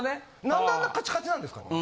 なんであんなカチカチなんですかね？